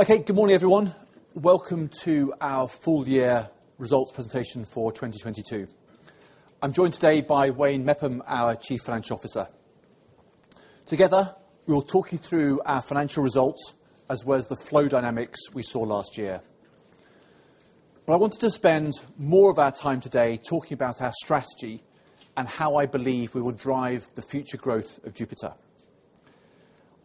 Okay, good morning, everyone. Welcome to our full year results presentation for 2022. I'm joined today by Wayne Mepham, our Chief Financial Officer. Together, we will talk you through our financial results as well as the flow dynamics we saw last year. I wanted to spend more of our time today talking about our strategy and how I believe we will drive the future growth of Jupiter.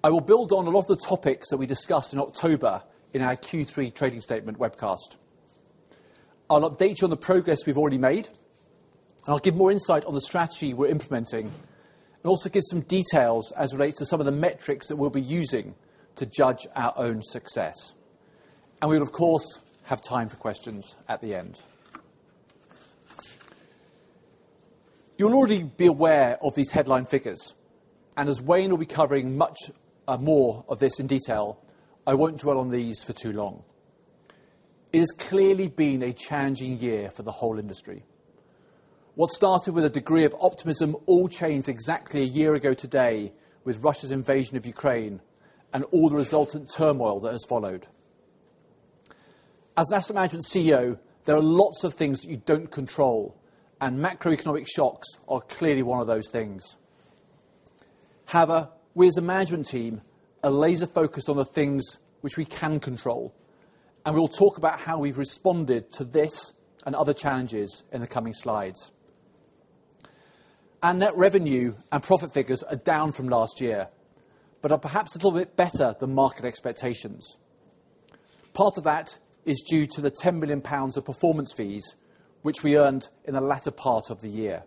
I will build on a lot of the topics that we discussed in October in our Q3 trading statement webcast. I'll update you on the progress we've already made, and I'll give more insight on the strategy we're implementing, and also give some details as it relates to some of the metrics that we'll be using to judge our own success. We'll of course have time for questions at the end. You'll already be aware of these headline figures. As Wayne will be covering much more of this in detail, I won't dwell on these for too long. It has clearly been a challenging year for the whole industry. What started with a degree of optimism all changed exactly a year ago today with Russia's invasion of Ukraine and all the resultant turmoil that has followed. As an asset management CEO, there are lots of things that you don't control. Macroeconomic shocks are clearly one of those things. However, we as a management team are laser-focused on the things which we can control, and we'll talk about how we've responded to this and other challenges in the coming slides. Our net revenue and profit figures are down from last year, but are perhaps a little bit better than market expectations. Part of that is due to the 10 million pounds of performance fees which we earned in the latter part of the year.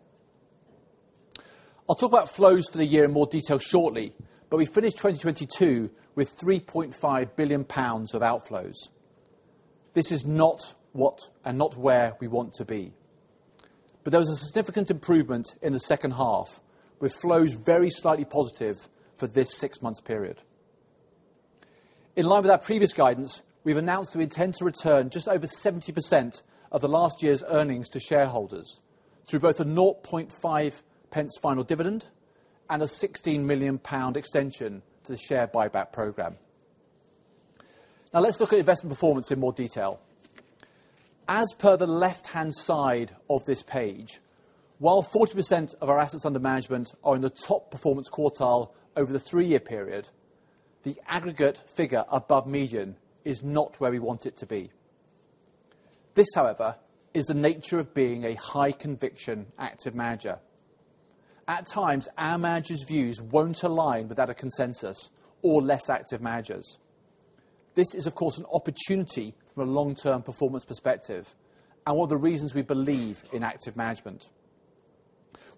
I'll talk about flows for the year in more detail shortly. We finished 2022 with 3.5 billion pounds of outflows. This is not what and not where we want to be. There was a significant improvement in the second half, with flows very slightly positive for this six-month period. In line with our previous guidance, we've announced we intend to return just over 70% of the last year's earnings to shareholders through both a 0.5 pence final dividend and a 16 million pound extension to the share buyback program. Now let's look at investment performance in more detail. As per the left-hand side of this page, while 40% of our assets under management are in the top performance quartile over the three-year period, the aggregate figure above median is not where we want it to be. This, however, is the nature of being a high-conviction active manager. At times, our managers' views won't align with other consensus or less active managers. This is, of course, an opportunity from a long-term performance perspective and one of the reasons we believe in active management.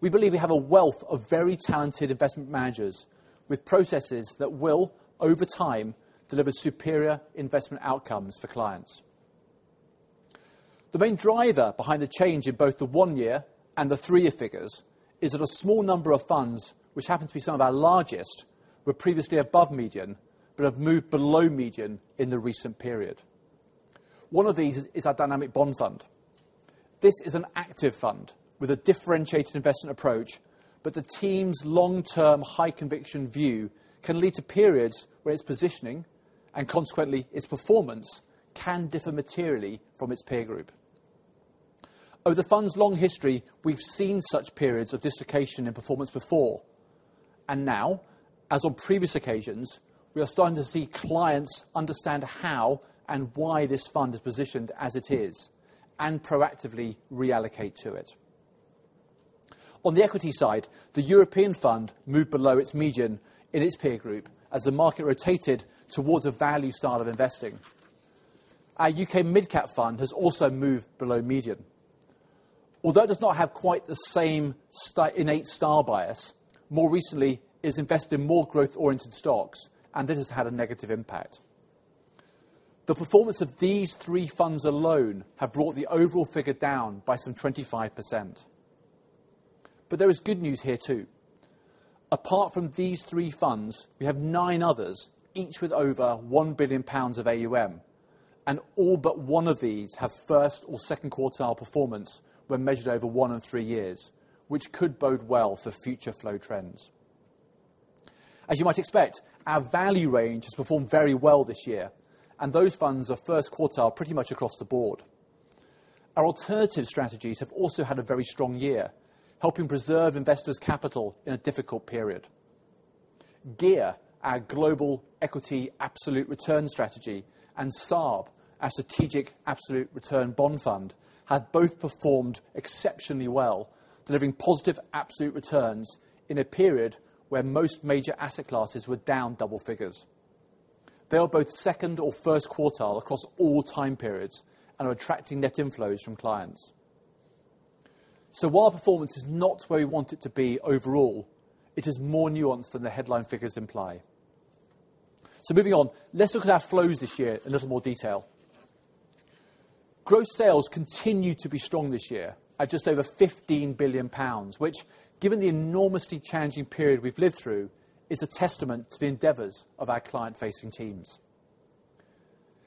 We believe we have a wealth of very talented investment managers with processes that will, over time, deliver superior investment outcomes for clients. The main driver behind the change in both the one-year and the three-year figures is that a small number of funds, which happen to be some of our largest, were previously above median but have moved below median in the recent period. One of these is our Dynamic Bond Fund. This is an active fund with a differentiated investment approach, but the team's long-term high-conviction view can lead to periods where its positioning, and consequently its performance, can differ materially from its peer group. Over the fund's long history, we've seen such periods of dislocation in performance before. Now, as on previous occasions, we are starting to see clients understand how and why this fund is positioned as it is and proactively reallocate to it. On the equity side, the European Fund moved below its median in its peer group as the market rotated towards a value style of investing. Our U.K. Mid Cap Fund has also moved below median. Although it does not have quite the same innate style bias, more recently it has invested in more growth-oriented stocks, and this has had a negative impact. The performance of these three funds alone have brought the overall figure down by some 25%. There is good news here too. Apart from these three funds, we have nine others, each with over 1 billion pounds of AUM, and all but one of these have first or second quartile performance when measured over one and three years, which could bode well for future flow trends. As you might expect, our value range has performed very well this year, and those funds are first quartile pretty much across the board. Our alternative strategies have also had a very strong year, helping preserve investors' capital in a difficult period. GEAR, our Global Equity Absolute Return strategy, and SARB, our Strategic Absolute Return Bond fund, have both performed exceptionally well, delivering positive absolute returns in a period where most major asset classes were down double figures. They are both second or first quartile across all time periods and are attracting net inflows from clients. While performance is not where we want it to be overall, it is more nuanced than the headline figures imply. Moving on, let's look at our flows this year in a little more detail. Gross sales continued to be strong this year at just over 15 billion pounds, which, given the enormously challenging period we've lived through, is a testament to the endeavors of our client-facing teams.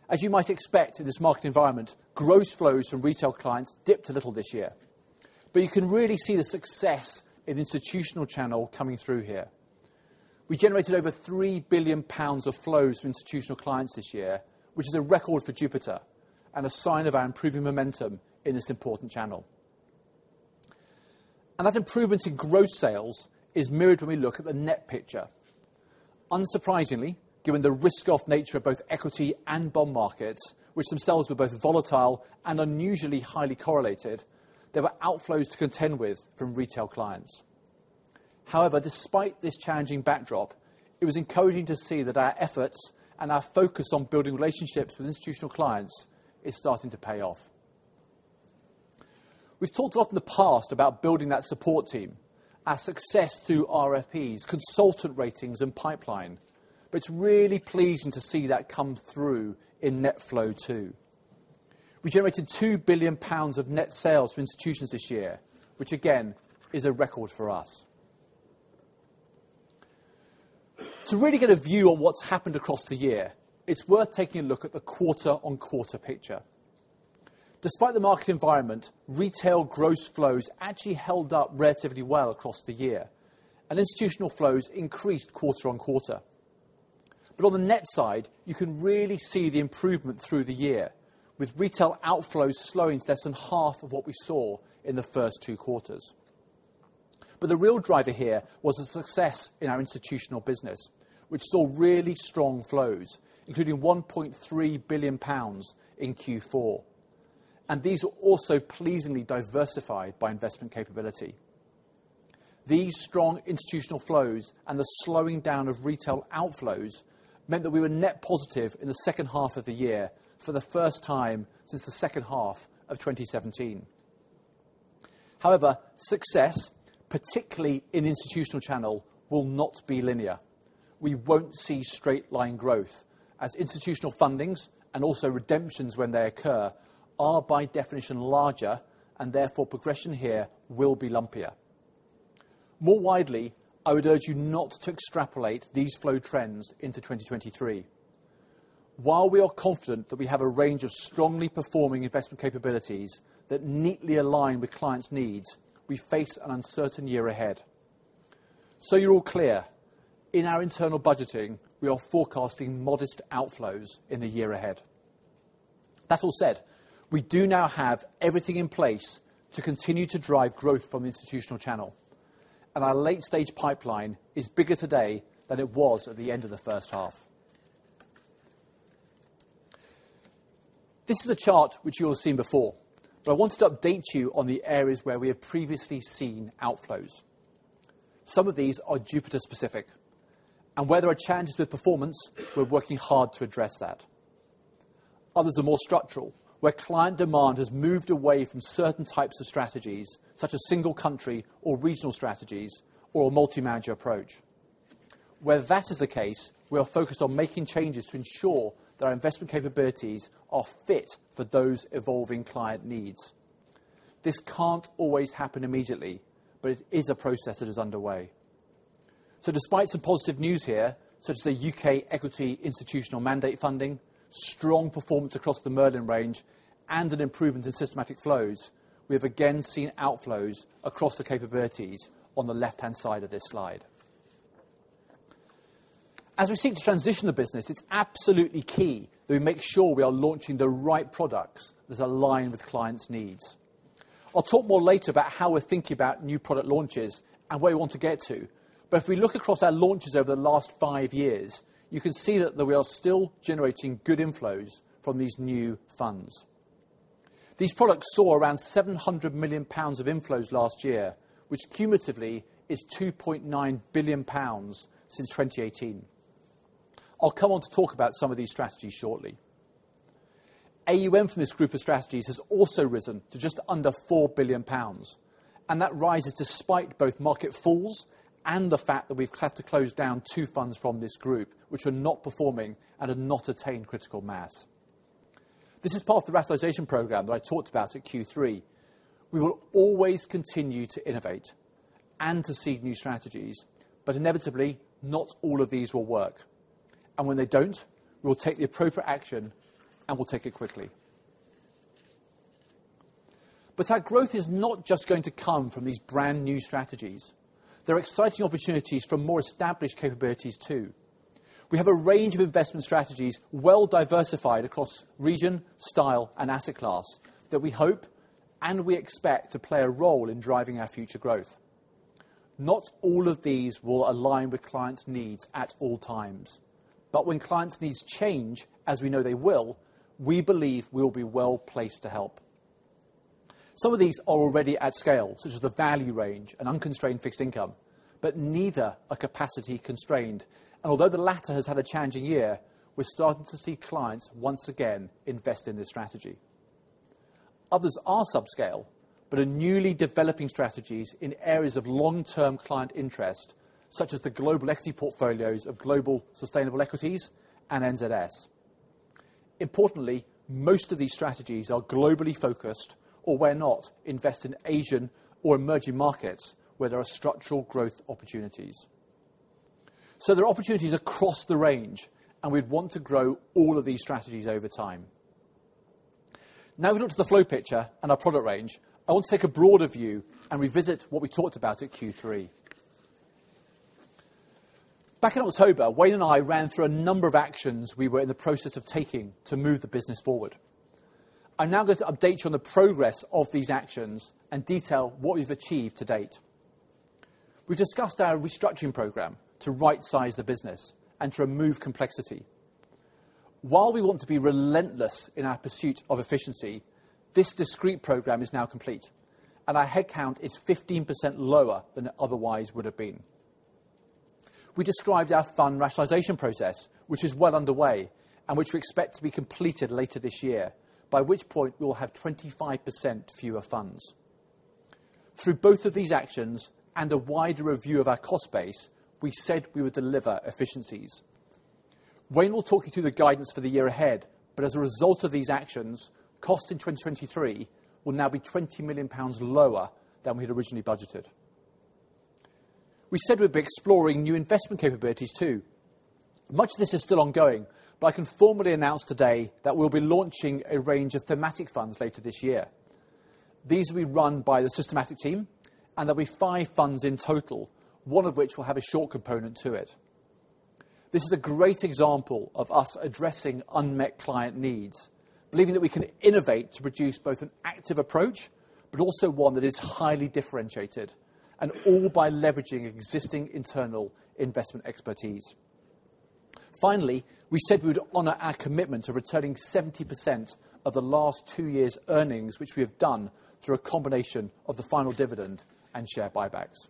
As you might expect in this market environment, gross flows from retail clients dipped a little this year. You can really see the success in institutional channel coming through here. We generated over 3 billion pounds of flows from institutional clients this year, which is a record for Jupiter and a sign of our improving momentum in this important channel. That improvement in gross sales is mirrored when we look at the net picture. Unsurprisingly, given the risk-off nature of both equity and bond markets, which themselves were both volatile and unusually highly correlated, there were outflows to contend with from retail clients. Despite this challenging backdrop, it was encouraging to see that our efforts and our focus on building relationships with institutional clients is starting to pay off. We've talked a lot in the past about building that support team, our success through RFPs, consultant ratings, and pipeline, but it's really pleasing to see that come through in net flow too. We generated 2 billion pounds of net sales for institutions this year, which again, is a record for us. To really get a view on what's happened across the year, it's worth taking a look at the quarter-on-quarter picture. Despite the market environment, retail gross flows actually held up relatively well across the year, institutional flows increased quarter on quarter. On the net side, you can really see the improvement through the year, with retail outflows slowing to less than half of what we saw in the first two quarters. The real driver here was the success in our institutional business, which saw really strong flows, including 1.3 billion pounds in Q4, these were also pleasingly diversified by investment capability. These strong institutional flows and the slowing down of retail outflows meant that we were net positive in the second half of the year for the first time since the second half of 2017. However, success, particularly in the institutional channel, will not be linear. We won't see straight line growth as institutional fundings and also redemptions when they occur are by definition larger and therefore progression here will be lumpier. More widely, I would urge you not to extrapolate these flow trends into 2023. While we are confident that we have a range of strongly performing investment capabilities that neatly align with clients' needs, we face an uncertain year ahead. You're all clear, in our internal budgeting, we are forecasting modest outflows in the year ahead. That all said, we do now have everything in place to continue to drive growth from the institutional channel, and our late-stage pipeline is bigger today than it was at the end of the first half. This is a chart which you all have seen before, but I wanted to update you on the areas where we have previously seen outflows. Some of these are Jupiter specific, and where there are challenges with performance, we're working hard to address that. Others are more structural, where client demand has moved away from certain types of strategies, such as single country or regional strategies or a multi-manager approach. Where that is the case, we are focused on making changes to ensure that our investment capabilities are fit for those evolving client needs. This can't always happen immediately, but it is a process that is underway. Despite some positive news here, such as the U.K. equity institutional mandate funding, strong performance across the Merlin range, and an improvement in systematic flows, we have again seen outflows across the capabilities on the left-hand side of this slide. As we seek to transition the business, it's absolutely key that we make sure we are launching the right products that align with clients' needs. I'll talk more later about how we're thinking about new product launches and where we want to get to. If we look across our launches over the last five years, you can see that we are still generating good inflows from these new funds. These products saw around 700 million pounds of inflows last year, which cumulatively is 2.9 billion pounds since 2018. I'll come on to talk about some of these strategies shortly. AUM from this group of strategies has also risen to just under 4 billion pounds, and that rise is despite both market falls and the fact that we've had to close down two funds from this group which are not performing and have not attained critical mass. This is part of the rationalization program that I talked about at Q3. We will always continue to innovate and to seed new strategies, but inevitably, not all of these will work. When they don't, we will take the appropriate action, and we'll take it quickly. Our growth is not just going to come from these brand-new strategies. There are exciting opportunities from more established capabilities too. We have a range of investment strategies well diversified across region, style, and asset class that we hope and we expect to play a role in driving our future growth. Not all of these will align with clients' needs at all times. When clients' needs change, as we know they will, we believe we will be well-placed to help. Some of these are already at scale, such as the value range and unconstrained fixed income, but neither are capacity constrained. Although the latter has had a challenging year, we're starting to see clients once again invest in this strategy. Others are subscale but are newly developing strategies in areas of long-term client interest, such as the global equity portfolios of Global Sustainable Equities and NZS. Importantly, most of these strategies are globally focused or where not, invest in Asian or emerging markets where there are structural growth opportunities. There are opportunities across the range, and we'd want to grow all of these strategies over time. We look to the flow picture and our product range. I want to take a broader view and revisit what we talked about at Q three. Back in October, Wayne and I ran through a number of actions we were in the process of taking to move the business forward. I'm now going to update you on the progress of these actions and detail what we've achieved to date. We discussed our restructuring program to rightsize the business and to remove complexity. While we want to be relentless in our pursuit of efficiency, this discrete program is now complete and our headcount is 15% lower than it otherwise would have been. We described our fund rationalization process, which is well underway and which we expect to be completed later this year, by which point we will have 25% fewer funds. Through both of these actions and a wider review of our cost base, we said we would deliver efficiencies. Wayne will talk you through the guidance for the year ahead, but as a result of these actions, costs in 2023 will now be 20 million pounds lower than we had originally budgeted. We said we'd be exploring new investment capabilities too. Much of this is still ongoing, but I can formally announce today that we'll be launching a range of thematic funds later this year. These will be run by the systematic team, and there'll be 5 funds in total, one of which will have a short component to it. This is a great example of us addressing unmet client needs, believing that we can innovate to produce both an active approach, but also one that is highly differentiated and all by leveraging existing internal investment expertise. Finally, we said we would honor our commitment to returning 70% of the last two years' earnings, which we have done through a combination of the final dividend and share buybacks.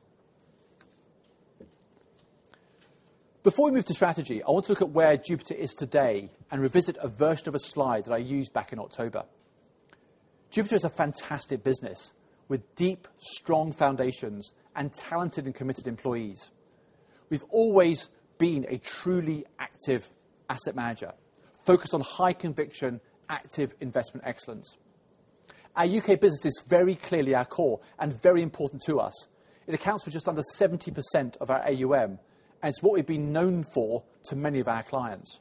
Before we move to strategy, I want to look at where Jupiter is today and revisit a version of a slide that I used back in October. Jupiter is a fantastic business with deep, strong foundations and talented and committed employees. We've always been a truly active asset manager focused on high conviction, active investment excellence. Our U.K. business is very clearly our core and very important to us. It accounts for just under 70% of our AUM, and it's what we've been known for to many of our clients.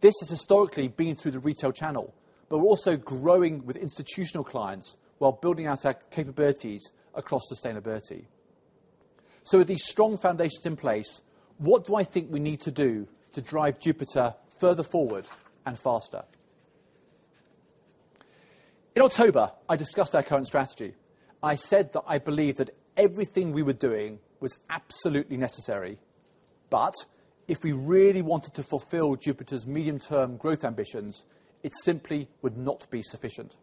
This has historically been through the retail channel, but we're also growing with institutional clients while building out our capabilities across sustainability. With these strong foundations in place, what do I think we need to do to drive Jupiter further forward and faster? In October, I discussed our current strategy. I said that I believe that everything we were doing was absolutely necessary, but if we really wanted to fulfill Jupiter's medium-term growth ambitions, it simply would not be sufficient.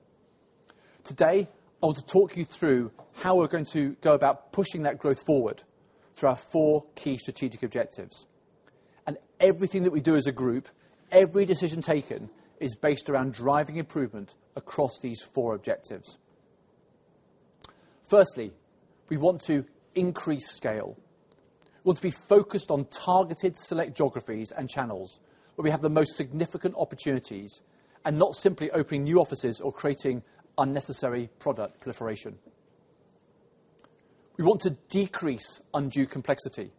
Today, I want to talk you through how we're going to go about pushing that growth forward through our four key strategic objectives. Everything that we do as a group, every decision taken, is based around driving improvement across these four objectives. Firstly, we want to increase scale. We want to be focused on targeted select geographies and channels where we have the most significant opportunities and not simply opening new offices or creating unnecessary product proliferation. We want to decrease undue complexity.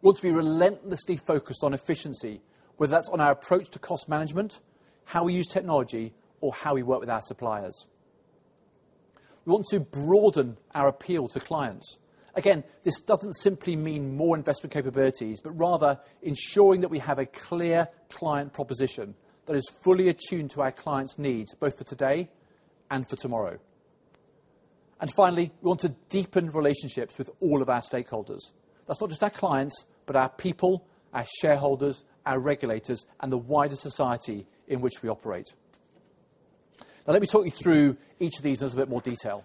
We want to be relentlessly focused on efficiency, whether that's on our approach to cost management, how we use technology, or how we work with our suppliers. We want to broaden our appeal to clients. This doesn't simply mean more investment capabilities, but rather ensuring that we have a clear client proposition that is fully attuned to our clients' needs, both for today and for tomorrow. Finally, we want to deepen relationships with all of our stakeholders. That's not just our clients, but our people, our shareholders, our regulators, and the wider society in which we operate. Let me talk you through each of these in a bit more detail.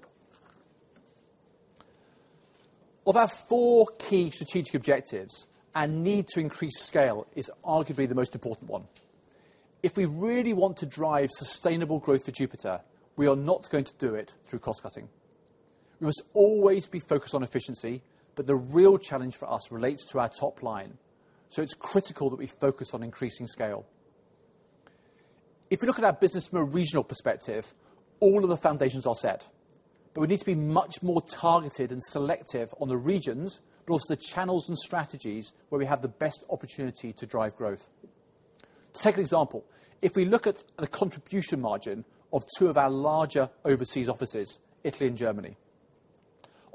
Of our four key strategic objectives, our need to increase scale is arguably the most important one. If we really want to drive sustainable growth for Jupiter, we are not going to do it through cost cutting. We must always be focused on efficiency, the real challenge for us relates to our top line. It's critical that we focus on increasing scale. If you look at our business from a regional perspective, all of the foundations are set, but we need to be much more targeted and selective on the regions, but also the channels and strategies where we have the best opportunity to drive growth. To take an example, if we look at the contribution margin of two of our larger overseas offices, Italy and Germany.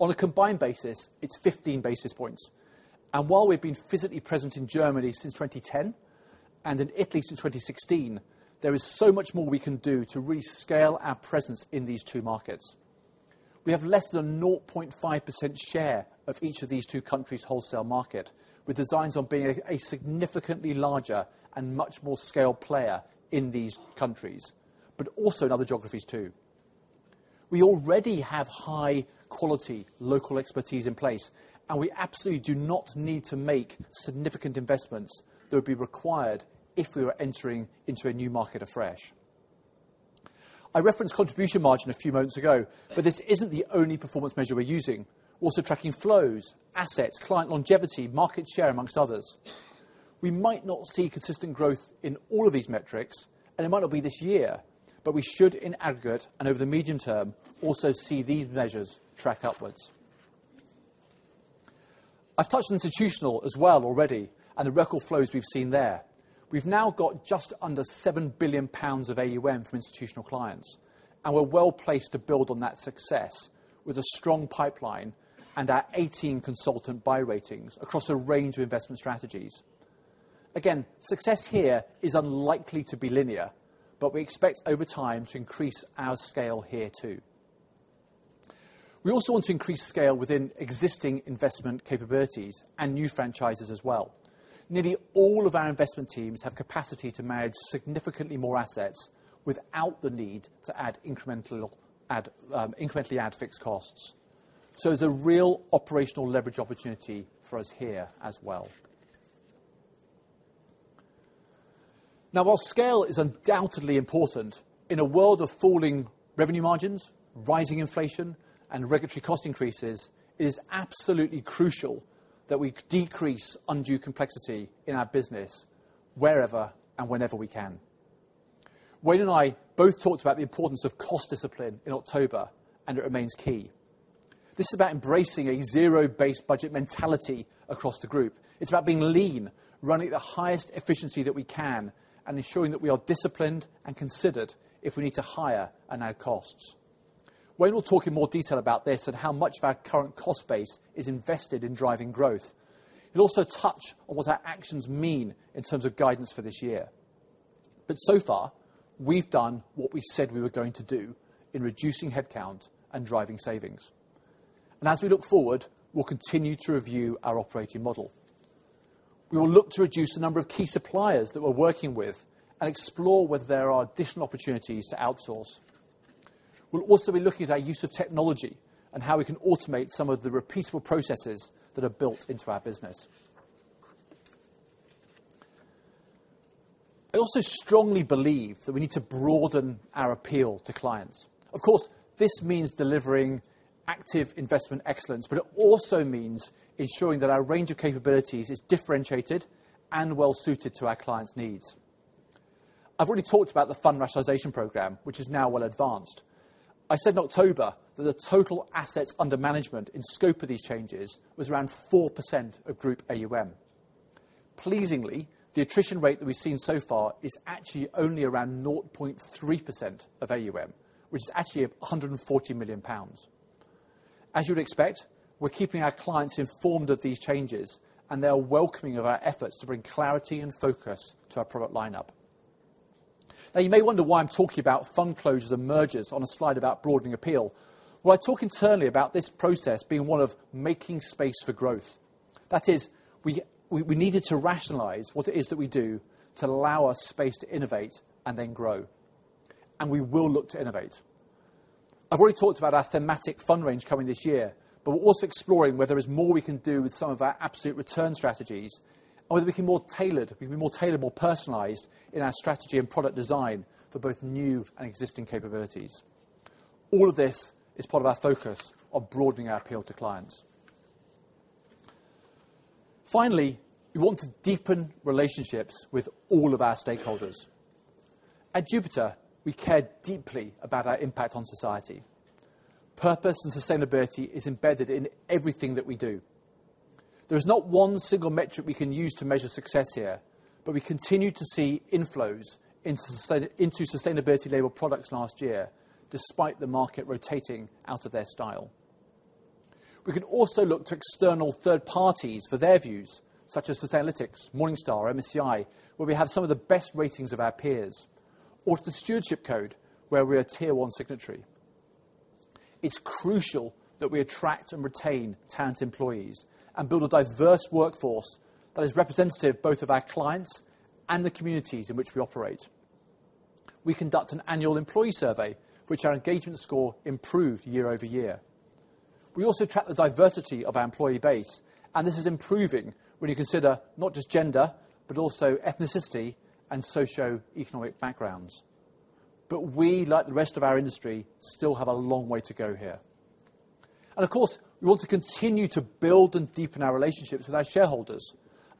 On a combined basis, it's 15 basis points. While we've been physically present in Germany since 2010 and in Italy since 2016, there is so much more we can do to rescale our presence in these two markets. We have less than 0.5% share of each of these two countries' wholesale market, with designs on being a significantly larger and much more scaled player in these countries, but also in other geographies too. We already have high-quality local expertise in place, and we absolutely do not need to make significant investments that would be required if we were entering into a new market afresh. I referenced contribution margin a few moments ago, but this isn't the only performance measure we're using. We're also tracking flows, assets, client longevity, market share, amongst others. We might not see consistent growth in all of these metrics, and it might not be this year, but we should in aggregate and over the medium term also see these measures track upwards. I've touched on institutional as well already and the record flows we've seen there. We've now got just under 7 billion pounds of AUM from institutional clients, and we're well-placed to build on that success with a strong pipeline and our 18 consultant buy ratings across a range of investment strategies. Success here is unlikely to be linear, but we expect over time to increase our scale here too. We also want to increase scale within existing investment capabilities and new franchises as well. Nearly all of our investment teams have capacity to manage significantly more assets without the need to incrementally add fixed costs. There's a real operational leverage opportunity for us here as well. While scale is undoubtedly important, in a world of falling revenue margins, rising inflation, and regulatory cost increases, it is absolutely crucial that we decrease undue complexity in our business wherever and whenever we can. Wayne and I both talked about the importance of cost discipline in October, and it remains key. This is about embracing a zero-based budget mentality across the group. It's about being lean, running at the highest efficiency that we can, and ensuring that we are disciplined and considered if we need to hire and add costs. Wayne will talk in more detail about this and how much of our current cost base is invested in driving growth. He'll also touch on what our actions mean in terms of guidance for this year. So far, we've done what we said we were going to do in reducing headcount and driving savings. As we look forward, we'll continue to review our operating model. We will look to reduce the number of key suppliers that we're working with and explore whether there are additional opportunities to outsource. We'll also be looking at our use of technology and how we can automate some of the repeatable processes that are built into our business. I also strongly believe that we need to broaden our appeal to clients. Of course, this means delivering active investment excellence, but it also means ensuring that our range of capabilities is differentiated and well suited to our clients' needs. I've already talked about the fund rationalization program, which is now well advanced. I said in October that the total assets under management in scope of these changes was around 4% of group AUM. Pleasingly, the attrition rate that we've seen so far is actually only around 0.3% of AUM, which is actually 140 million pounds. As you'd expect, we're keeping our clients informed of these changes, and they are welcoming of our efforts to bring clarity and focus to our product lineup. You may wonder why I'm talking about fund closures and mergers on a slide about broadening appeal. Well, I talk internally about this process being one of making space for growth. That is, we needed to rationalize what it is that we do to allow us space to innovate and then grow. We will look to innovate. I've already talked about our thematic fund range coming this year, but we're also exploring whether there's more we can do with some of our absolute return strategies or whether we can be more tailored, more personalized in our strategy and product design for both new and existing capabilities. All of this is part of our focus of broadening our appeal to clients. Finally, we want to deepen relationships with all of our stakeholders. At Jupiter, we care deeply about our impact on society. Purpose and sustainability is embedded in everything that we do. There is not one single metric we can use to measure success here, but we continue to see inflows into sustainability labeled products last year, despite the market rotating out of their style. We can also look to external third parties for their views, such as Sustainalytics, Morningstar, MSCI, where we have some of the best ratings of our peers, or to the Stewardship Code, where we are Tier 1 signatory. It's crucial that we attract and retain talented employees and build a diverse workforce that is representative both of our clients and the communities in which we operate. We conduct an annual employee survey, which our engagement score improved year-over-year. We also track the diversity of our employee base, and this is improving when you consider not just gender, but also ethnicity and socioeconomic backgrounds. We, like the rest of our industry, still have a long way to go here. Of course, we want to continue to build and deepen our relationships with our shareholders,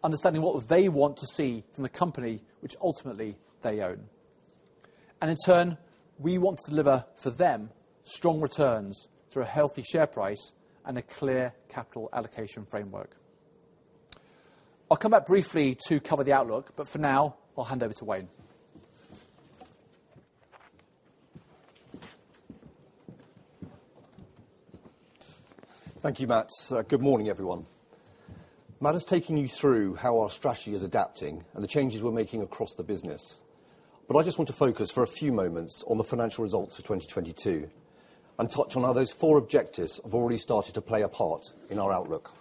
understanding what they want to see from the company which ultimately they own. In turn, we want to deliver for them strong returns through a healthy share price and a clear capital allocation framework. I'll come back briefly to cover the outlook, but for now, I'll hand over to Wayne. Thank you, Matt. Good morning, everyone. Matt is taking you through how our strategy is adapting and the changes we're making across the business. I just want to focus for a few moments on the financial results for 2022 and touch on how those four objectives have already started to play a part in our outlook.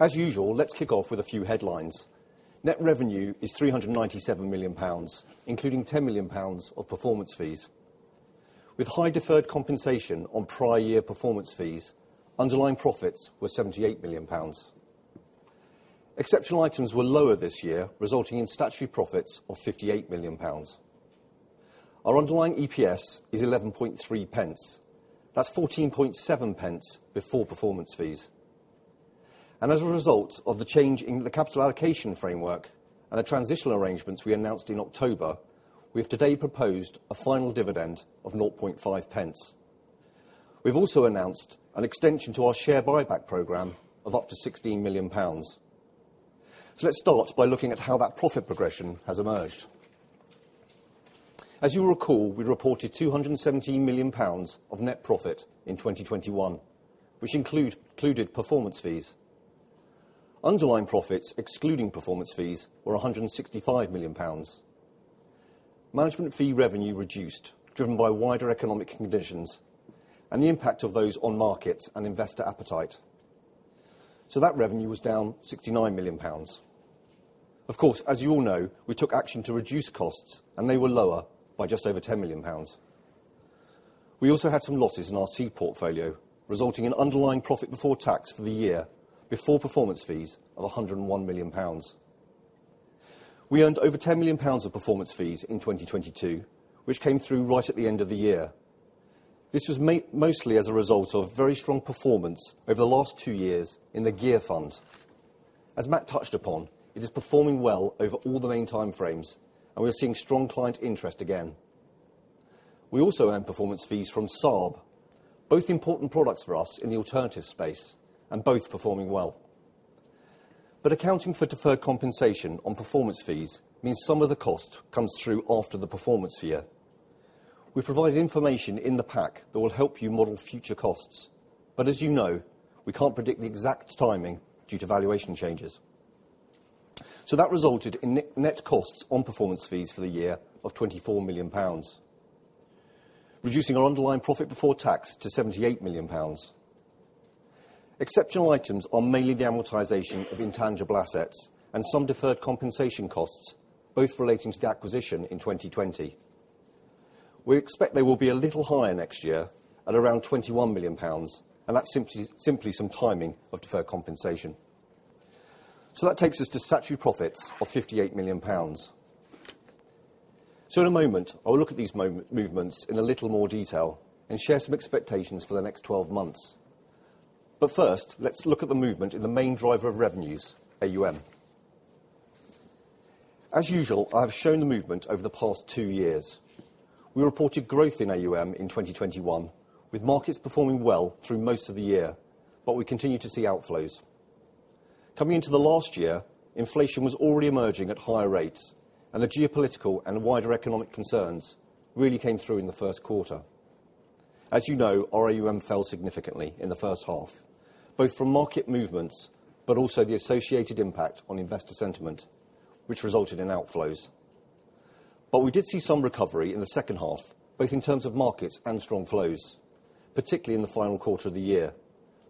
As usual, let's kick off with a few headlines. Net revenue is 397 million pounds, including 10 million pounds of performance fees. With high deferred compensation on prior year performance fees, underlying profits were 78 million pounds. Exceptional items were lower this year, resulting in statutory profits of 58 million pounds. Our underlying EPS is 0.113. That's 0.147 before performance fees. As a result of the change in the capital allocation framework and the transitional arrangements we announced in October, we've today proposed a final dividend of 0.5 pence. We've also announced an extension to our share buyback program of up to 16 million pounds. Let's start by looking at how that profit progression has emerged. As you recall, we reported 217 million pounds of net profit in 2021, which included performance fees. Underlying profits excluding performance fees were 165 million pounds. Management fee revenue reduced, driven by wider economic conditions and the impact of those on market and investor appetite. That revenue was down 69 million pounds. Of course, as you all know, we took action to reduce costs, and they were lower by just over 10 million pounds. We also had some losses in our seed portfolio, resulting in underlying profit before tax for the year before performance fees of 101 million pounds. We earned over 10 million pounds of performance fees in 2022, which came through right at the end of the year. This was mostly as a result of very strong performance over the last two years in the GEAR Fund. As Matt touched upon, it is performing well over all the main time frames, and we are seeing strong client interest again. We also earned performance fees from SARB, both important products for us in the alternative space and both performing well. Accounting for deferred compensation on performance fees means some of the cost comes through after the performance year. We've provided information in the pack that will help you model future costs. As you know, we can't predict the exact timing due to valuation changes. That resulted in net costs on performance fees for the year of 24 million pounds, reducing our underlying profit before tax to 78 million pounds. Exceptional items are mainly the amortization of intangible assets and some deferred compensation costs, both relating to the acquisition in 2020. We expect they will be a little higher next year at around 21 million pounds, and that's simply some timing of deferred compensation. That takes us to statutory profits of 58 million pounds. In a moment, I will look at these movements in a little more detail and share some expectations for the next 12 months. First, let's look at the movement in the main driver of revenues, AUM. As usual, I've shown the movement over the past two years. We reported growth in AUM in 2021, with markets performing well through most of the year, we continued to see outflows. Coming into the last year, inflation was already emerging at higher rates, the geopolitical and wider economic concerns really came through in the first quarter. As you know, our AUM fell significantly in the first half, both from market movements, but also the associated impact on investor sentiment, which resulted in outflows. We did see some recovery in the second half, both in terms of markets and strong flows, particularly in the final quarter of the year,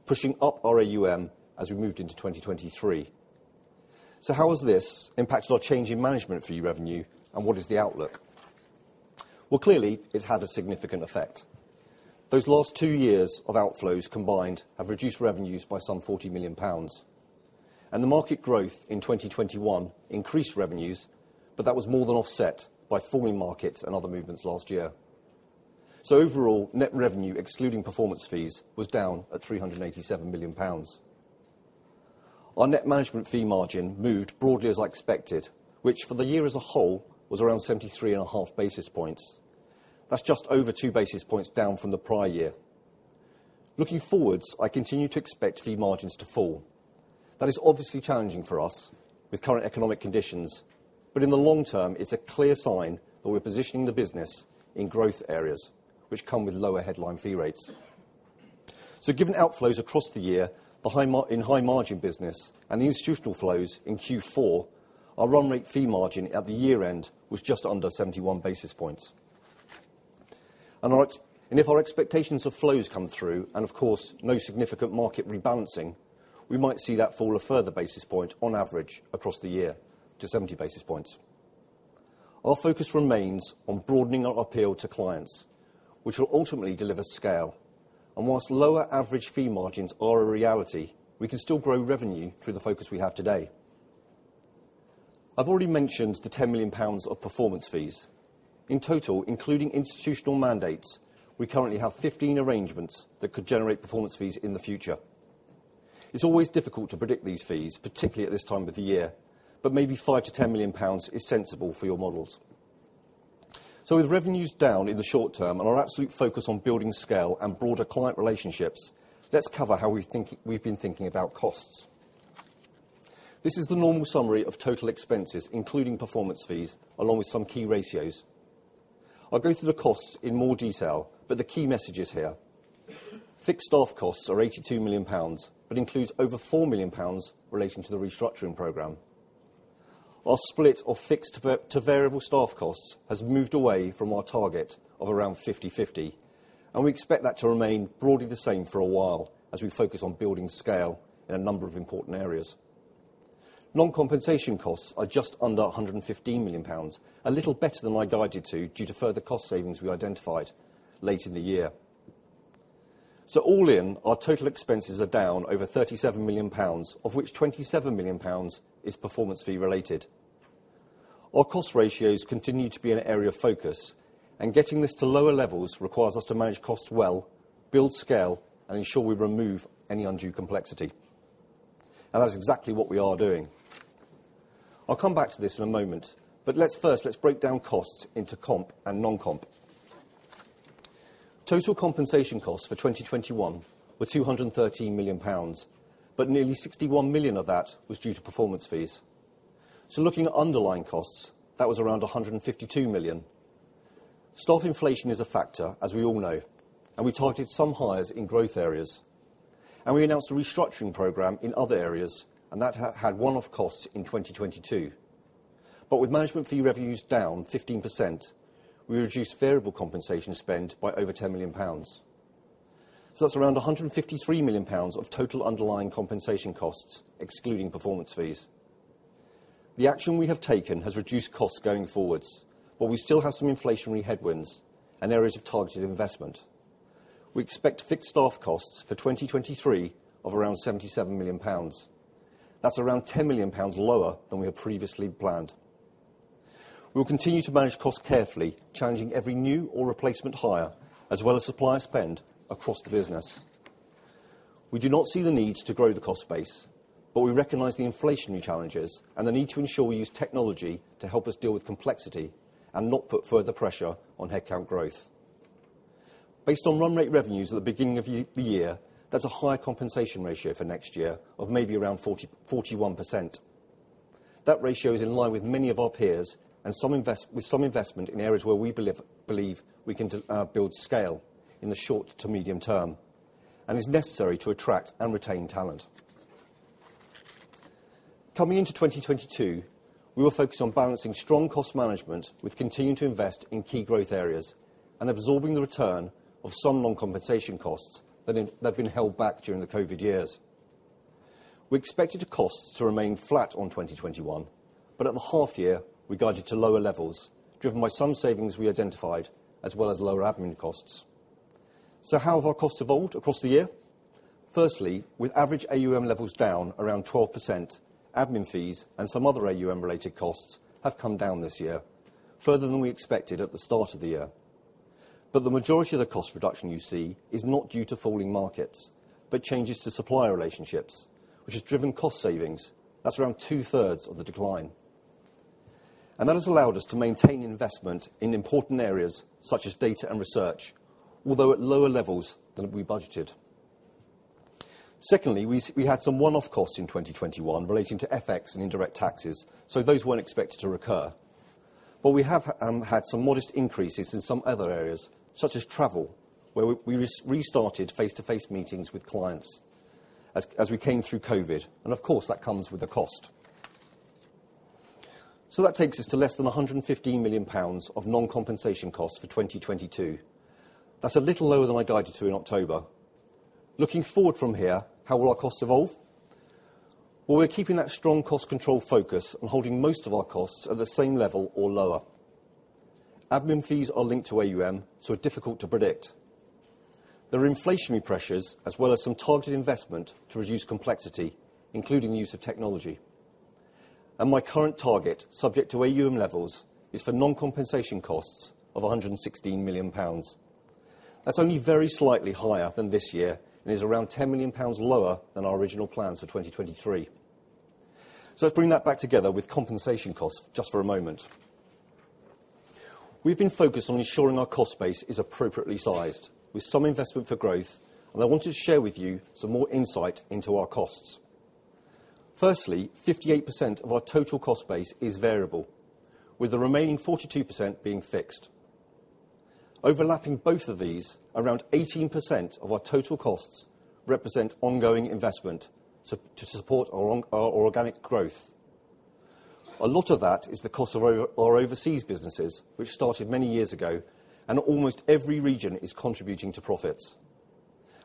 pushing up our AUM as we moved into 2023. How has this impacted our change in management fee revenue, and what is the outlook? Well, clearly, it had a significant effect. Those last two years of outflows combined have reduced revenues by some 40 million pounds. The market growth in 2021 increased revenues, that was more than offset by falling markets and other movements last year. Overall, net revenue, excluding performance fees, was down at 387 million pounds. Our net management fee margin moved broadly as expected, which for the year as a whole was around 73.5 basis points. That's just over 2 basis points down from the prior year. Looking forwards, I continue to expect fee margins to fall. That is obviously challenging for us with current economic conditions, but in the long term, it's a clear sign that we're positioning the business in growth areas, which come with lower headline fee rates. Given outflows across the year, the high-margin business and the institutional flows in Q4, our run rate fee margin at the year-end was just under 71 basis points. If our expectations of flows come through and of course, no significant market rebalancing, we might see that fall a further basis point on average across the year to 70 basis points. Our focus remains on broadening our appeal to clients, which will ultimately deliver scale. Whilst lower average fee margins are a reality, we can still grow revenue through the focus we have today. I've already mentioned the 10 million pounds of performance fees. In total, including institutional mandates, we currently have 15 arrangements that could generate performance fees in the future. It's always difficult to predict these fees, particularly at this time of the year, but maybe 5 million-10 million pounds is sensible for your models. With revenues down in the short term and our absolute focus on building scale and broader client relationships, let's cover how we've been thinking about costs. This is the normal summary of total expenses, including performance fees, along with some key ratios. I'll go through the costs in more detail, but the key message is here. Fixed staff costs are 82 million pounds, but includes over 4 million pounds relating to the restructuring program. Our split of fixed to variable staff costs has moved away from our target of around 50/50, and we expect that to remain broadly the same for a while as we focus on building scale in a number of important areas. Non-compensation costs are just under 115 million pounds, a little better than I guided to due to further cost savings we identified late in the year. All in our total expenses are down over 37 million pounds of which 27 million pounds is performance fee related. Our cost ratios continue to be an area of focus and getting this to lower levels requires us to manage costs well, build scale and ensure we remove any undue complexity. That's exactly what we are doing. I'll come back to this in a moment, but let's first, let's break down costs into comp and non-comp. Total compensation costs for 2021 were GBP 213 million, but nearly GBP 61 million of that was due to performance fees. Looking at underlying costs, that was around GBP 152 million. Staff inflation is a factor, as we all know. We targeted some hires in growth areas. We announced a restructuring program in other areas, and that had one-off costs in 2022. With management fee revenues down 15%, we reduced variable compensation spend by over 10 million pounds. That's around 153 million pounds of total underlying compensation costs, excluding performance fees. The action we have taken has reduced costs going forwards, but we still have some inflationary headwinds and areas of targeted investment. We expect fixed staff costs for 2023 of around 77 million pounds. That's around 10 million pounds lower than we had previously planned. We will continue to manage costs carefully, challenging every new or replacement hire, as well as supplier spend across the business. We do not see the need to grow the cost base. We recognize the inflationary challenges and the need to ensure we use technology to help us deal with complexity and not put further pressure on headcount growth. Based on run rate revenues at the beginning of the year, that's a higher compensation ratio for next year of maybe around 40, 41%. That ratio is in line with many of our peers and some investment in areas where we believe we can build scale in the short to medium term, and is necessary to attract and retain talent. Coming into 2022, we will focus on balancing strong cost management with continuing to invest in key growth areas and absorbing the return of some non-compensation costs that have been held back during the Covid years. We expected costs to remain flat on 2021, but at the half year, we guided to lower levels, driven by some savings we identified as well as lower admin costs. How have our costs evolved across the year? Firstly, with average AUM levels down around 12%, admin fees and some other AUM related costs have come down this year, further than we expected at the start of the year. The majority of the cost reduction you see is not due to falling markets, but changes to supplier relationships, which has driven cost savings. That's around two-thirds of the decline. That has allowed us to maintain investment in important areas such as data and research, although at lower levels than we budgeted. Secondly, we had some one-off costs in 2021 relating to FX and indirect taxes, so those weren't expected to recur. We have had some modest increases in some other areas, such as travel, where we restarted face-to-face meetings with clients as we came through COVID. Of course that comes with a cost. That takes us to less than 115 million pounds of non-compensation costs for 2022. That's a little lower than I guided to in October. Looking forward from here, how will our costs evolve? Well, we're keeping that strong cost control focus on holding most of our costs at the same level or lower. Admin fees are linked to AUM, so are difficult to predict. There are inflationary pressures as well as some targeted investment to reduce complexity, including the use of technology. My current target, subject to AUM levels, is for non-compensation costs of 116 million pounds. That's only very slightly higher than this year is around 10 million pounds lower than our original plans for 2023. Let's bring that back together with compensation costs just for a moment. We've been focused on ensuring our cost base is appropriately sized with some investment for growth. I wanted to share with you some more insight into our costs. Firstly, 58% of our total cost base is variable, with the remaining 42% being fixed. Overlapping both of these, around 18% of our total costs represent ongoing investment to support our organic growth. A lot of that is the cost of our overseas businesses, which started many years ago. Almost every region is contributing to profits.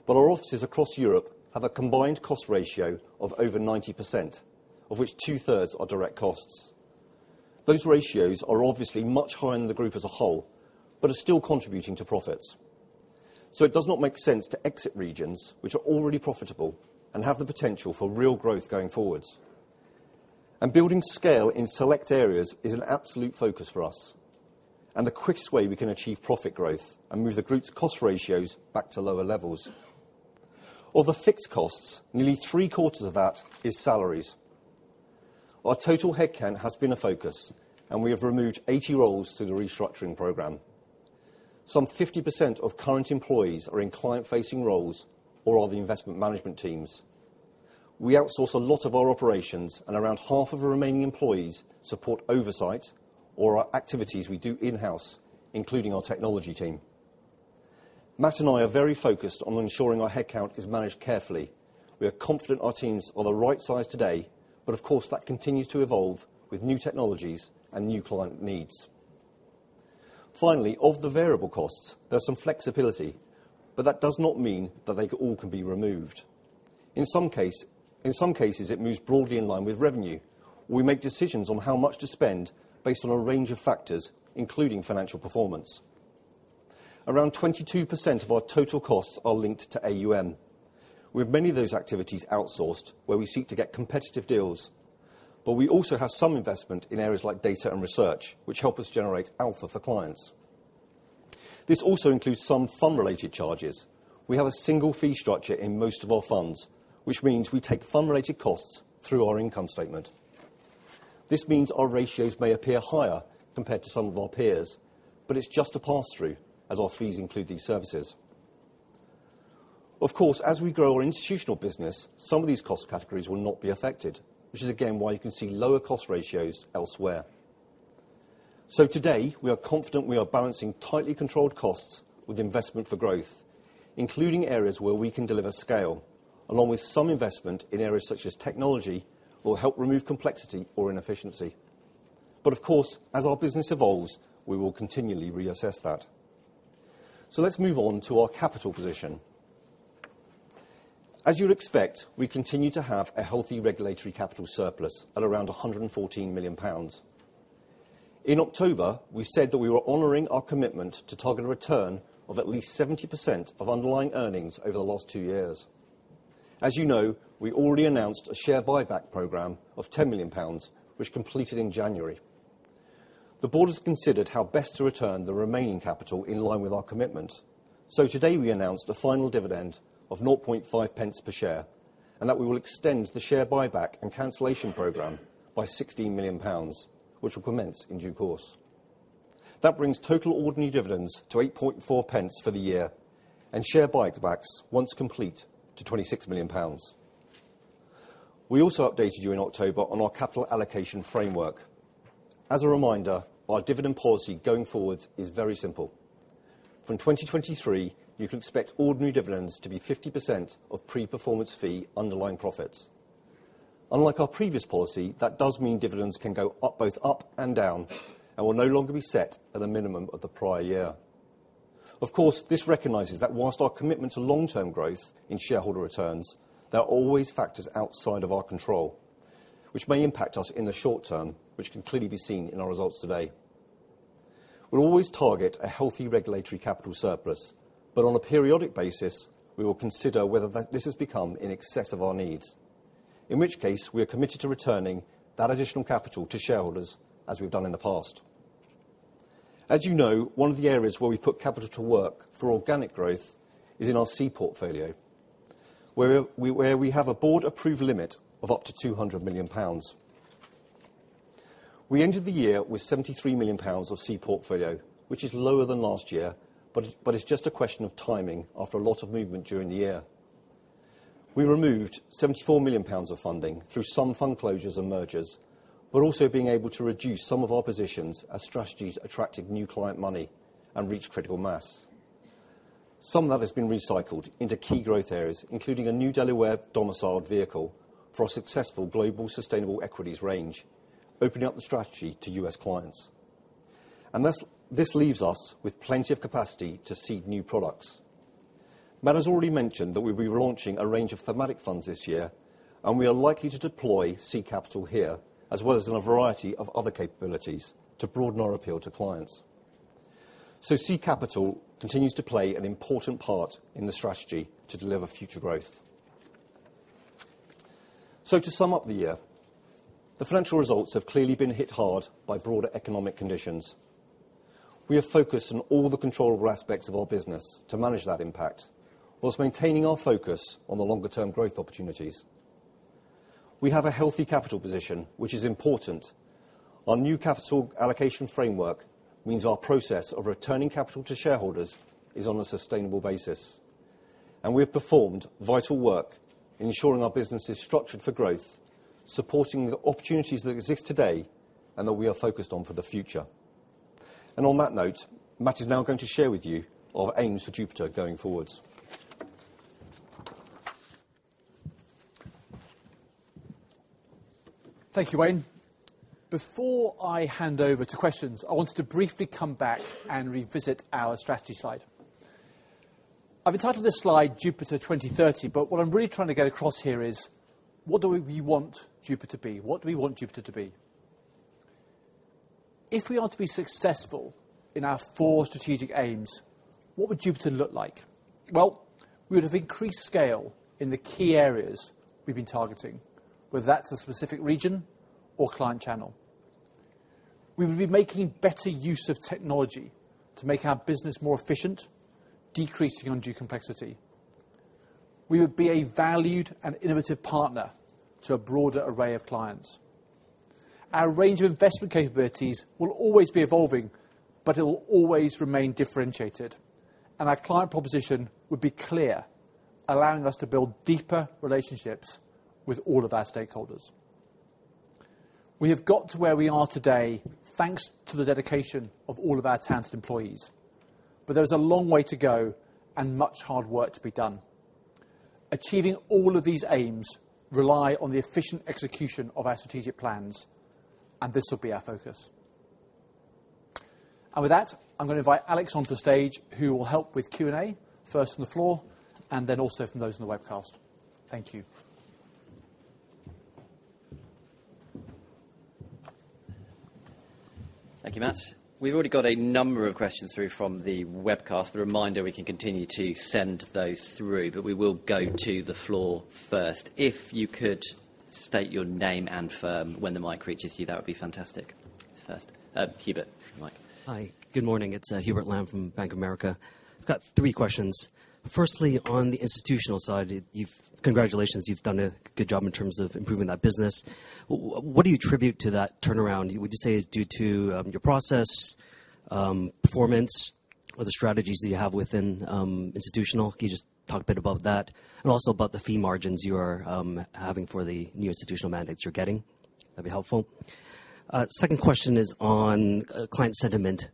Our offices across Europe have a combined cost ratio of over 90%, of which two-thirds are direct costs. Those ratios are obviously much higher than the group as a whole, but are still contributing to profits. It does not make sense to exit regions which are already profitable and have the potential for real growth going forwards. Building scale in select areas is an absolute focus for us, and the quickest way we can achieve profit growth and move the group's cost ratios back to lower levels. Of the fixed costs, nearly three-quarters of that is salaries. Our total headcount has been a focus, and we have removed 80 roles through the restructuring program. Some 50% of current employees are in client-facing roles or are the investment management teams. We outsource a lot of our operations, and around half of the remaining employees support oversight or our activities we do in-house, including our technology team. Matt and I are very focused on ensuring our headcount is managed carefully. We are confident our teams are the right size today. Of course that continues to evolve with new technologies and new client needs. Finally, of the variable costs, there's some flexibility. That does not mean that they all can be removed. In some cases, it moves broadly in line with revenue. We make decisions on how much to spend based on a range of factors, including financial performance. Around 22% of our total costs are linked to AUM. We have many of those activities outsourced where we seek to get competitive deals. We also have some investment in areas like data and research, which help us generate alpha for clients. This also includes some fund-related charges. We have a single fee structure in most of our funds, which means we take fund-related costs through our income statement. This means our ratios may appear higher compared to some of our peers, but it's just a pass-through, as our fees include these services. Of course, as we grow our institutional business, some of these cost categories will not be affected, which is again why you can see lower cost ratios elsewhere. Today, we are confident we are balancing tightly controlled costs with investment for growth, including areas where we can deliver scale, along with some investment in areas such as technology will help remove complexity or inefficiency. Of course, as our business evolves, we will continually reassess that. Let's move on to our capital position. As you'd expect, we continue to have a healthy regulatory capital surplus at around 114 million pounds. In October, we said that we were honoring our commitment to target a return of at least 70% of underlying earnings over the last two years. As you know, we already announced a share buyback program of 10 million pounds, which completed in January. The board has considered how best to return the remaining capital in line with our commitment. Today, we announced a final dividend of 0.5 pence per share, and that we will extend the share buyback and cancellation program by 16 million pounds, which will commence in due course. That brings total ordinary dividends to 8.4 pence for the year and share buybacks, once complete, to 26 million pounds. We also updated you in October on our capital allocation framework. As a reminder, our dividend policy going forward is very simple. From 2023, you can expect ordinary dividends to be 50% of pre-performance fee underlying profits. Unlike our previous policy, that does mean dividends can go up both up and down and will no longer be set at a minimum of the prior year. Of course, this recognizes that whilst our commitment to long-term growth in shareholder returns, there are always factors outside of our control, which may impact us in the short term, which can clearly be seen in our results today. We'll always target a healthy regulatory capital surplus, but on a periodic basis, we will consider whether this has become in excess of our needs, in which case we are committed to returning that additional capital to shareholders as we've done in the past. As you know, one of the areas where we put capital to work for organic growth is in our seed portfolio, where we have a board-approved limit of up to 200 million pounds. We ended the year with 73 million pounds of seed portfolio, which is lower than last year, but it's just a question of timing after a lot of movement during the year. We removed 74 million pounds of funding through some fund closures and mergers, but also being able to reduce some of our positions as strategies attracted new client money and reached critical mass. Some of that has been recycled into key growth areas, including a new Delaware-domiciled vehicle for our successful Global Sustainable Equities range, opening up the strategy to U.S. clients. This leaves us with plenty of capacity to seed new products. Matt has already mentioned that we'll be launching a range of thematic funds this year, and we are likely to deploy seed capital here, as well as in a variety of other capabilities to broaden our appeal to clients. Seed capital continues to play an important part in the strategy to deliver future growth. To sum up the year, the financial results have clearly been hit hard by broader economic conditions. We are focused on all the controllable aspects of our business to manage that impact, while maintaining our focus on the longer term growth opportunities. We have a healthy capital position, which is important. Our new capital allocation framework means our process of returning capital to shareholders is on a sustainable basis. We have performed vital work in ensuring our business is structured for growth, supporting the opportunities that exist today and that we are focused on for the future. On that note, Matt is now going to share with you our aims for Jupiter going forward. Thank you, Wayne. Before I hand over to questions, I wanted to briefly come back and revisit our strategy slide. I've entitled this slide Jupiter 2030, but what I'm really trying to get across here is, What do we want Jupiter to be? If we are to be successful in our four strategic aims, what would Jupiter look like? Well, we would have increased scale in the key areas we've been targeting, whether that's a specific region or client channel. We would be making better use of technology to make our business more efficient, decreasing undue complexity. We would be a valued and innovative partner to a broader array of clients. Our range of investment capabilities will always be evolving, but it will always remain differentiated, and our client proposition would be clear, allowing us to build deeper relationships with all of our stakeholders. We have got to where we are today thanks to the dedication of all of our talented employees, but there is a long way to go and much hard work to be done. Achieving all of these aims rely on the efficient execution of our strategic plans, and this will be our focus. With that, I'm gonna invite Alex onto the stage, who will help with Q&A, first on the floor, and then also from those in the webcast. Thank you. Thank you, Matt. We've already got a number of questions through from the webcast. A reminder, we can continue to send those through, but we will go to the floor first. If you could state your name and firm when the mic reaches you, that would be fantastic. First, Hubert. The mic. Hi. Good morning. It's Hubert Lam from Bank of America. I've got three questions. Firstly, on the institutional side, congratulations, you've done a good job in terms of improving that business. What do you attribute to that turnaround? Would you say it's due to your process, performance or the strategies that you have within institutional? Can you just talk a bit about that and also about the fee margins you are having for the new institutional mandates you're getting? That'd be helpful. Second question is on client sentiment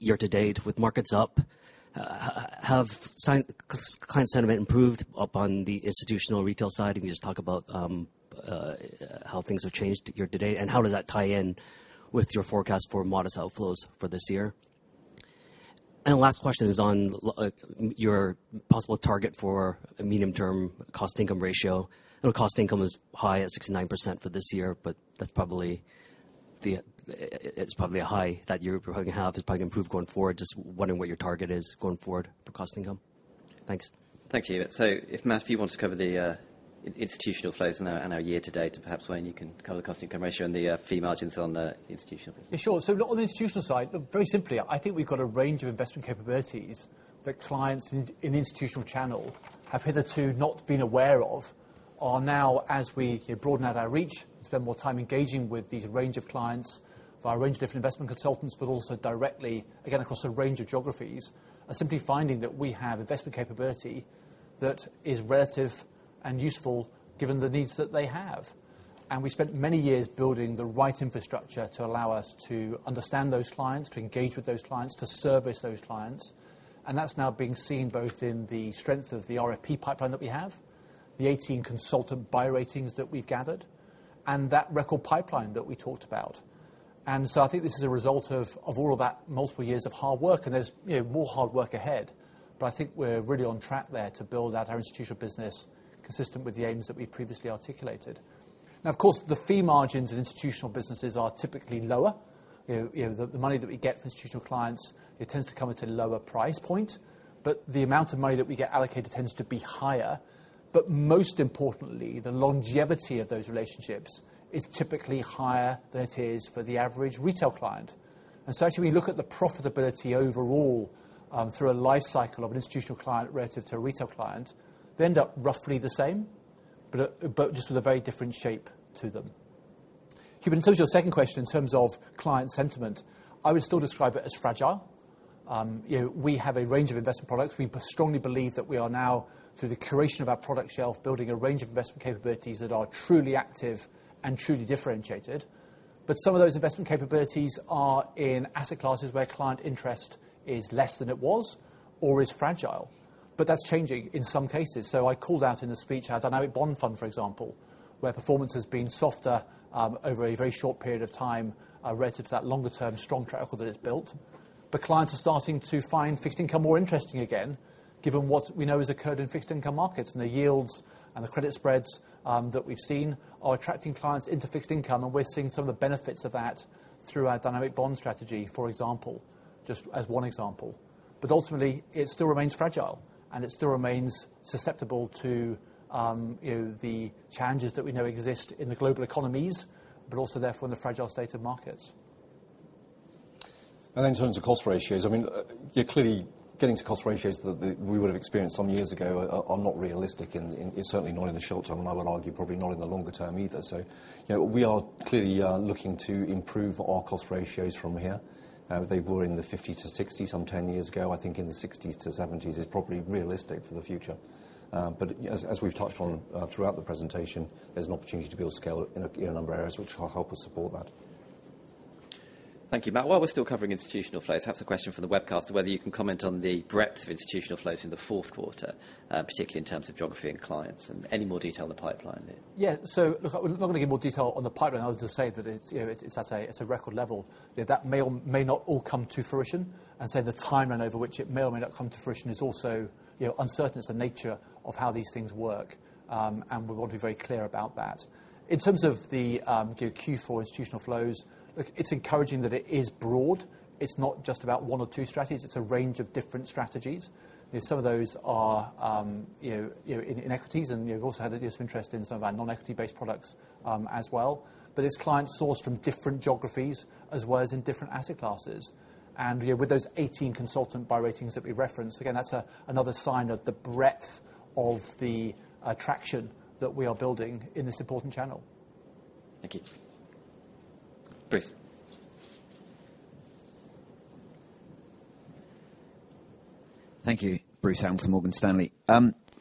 year to date with markets up. Have client sentiment improved upon the institutional retail side? Can you just talk about how things have changed year to date, and how does that tie in with your forecast for modest outflows for this year? The last question is on your possible target for a medium-term cost income ratio. I know cost income is high at 69% for this year. That's probably the, it's probably a high that you're probably gonna have. It's probably gonna improve going forward. Just wondering what your target is going forward for cost income. Thanks. Thank you, Hubert. If Matt, if you want to cover the institutional flows and our year to date. Perhaps, Wayne, you can cover the cost income ratio and the fee margins on the institutional please. Yeah, sure. On the institutional side, very simply, I think we've got a range of investment capabilities that clients in the institutional channel have hitherto not been aware of, are now as we, you know, broaden out our reach, spend more time engaging with these range of clients via a range of different investment consultants, but also directly, again, across a range of geographies, are simply finding that we have investment capability that is relative and useful given the needs that they have. We spent many years building the right infrastructure to allow us to understand those clients, to engage with those clients, to service those clients, and that's now being seen both in the strength of the RFP pipeline that we have, the 18 consultant buy ratings that we've gathered, and that record pipeline that we talked about. I think this is a result of all of that multiple years of hard work, and there's, you know, more hard work ahead, but I think we're really on track there to build out our institutional business consistent with the aims that we previously articulated. Of course, the fee margins in institutional businesses are typically lower. You know, the money that we get from institutional clients, it tends to come at a lower price point, but the amount of money that we get allocated tends to be higher. Most importantly, the longevity of those relationships is typically higher than it is for the average retail client. As we look at the profitability overall, through a life cycle of an institutional client relative to a retail client, they end up roughly the same, but just with a very different shape to them. Hubert, in terms of your second question in terms of client sentiment, I would still describe it as fragile. You know, we have a range of investment products. We strongly believe that we are now, through the curation of our product shelf, building a range of investment capabilities that are truly active and truly differentiated. Some of those investment capabilities are in asset classes where client interest is less than it was or is fragile. That's changing in some cases. I called out in the speech, our Jupiter Dynamic Bond, for example, where performance has been softer, over a very short period of time, relative to that longer term strong track record that it's built. Clients are starting to find fixed income more interesting again, given what we know has occurred in fixed income markets and the yields and the credit spreads, that we've seen are attracting clients into fixed income, and we're seeing some of the benefits of that through our dynamic bond strategy, for example, just as one example. Ultimately, it still remains fragile, and it still remains susceptible to, you know, the challenges that we know exist in the global economies, but also therefore in the fragile state of markets. In terms of cost ratios, I mean, you're clearly getting to cost ratios that we would have experienced some years ago are not realistic and certainly not in the short term, and I would argue probably not in the longer term either. You know, we are clearly looking to improve our cost ratios from here. They were in the 50%-60% some 10 years ago. I think in the 60%-70% is probably realistic for the future. As we've touched on throughout the presentation, there's an opportunity to build scale in a number of areas which will help us support that. Thank you, Matt. While we're still covering institutional flows, perhaps a question from the webcast, whether you can comment on the breadth of institutional flows in the fourth quarter, particularly in terms of geography and clients, and any more detail on the pipeline there. Yeah. Look, I'm not gonna give more detail on the pipeline. I'll just say that it's, you know, it's at a, it's a record level. You know, that may or may not all come to fruition. The timeline over which it may or may not come to fruition is also, you know, uncertain. It's the nature of how these things work. We want to be very clear about that. In terms of the Q4 institutional flows, look, it's encouraging that it is broad. It's not just about one or two strategies. It's a range of different strategies. You know, some of those are, you know, in equities. You've also had an interest in some of our non-equity based products as well. It's clients sourced from different geographies as well as in different asset classes. you know, with those 18 consultant buy ratings that we referenced, again, that's another sign of the breadth of the attraction that we are building in this important channel. Thank you. Bruce. Thank you. Bruce Hamilton, Morgan Stanley.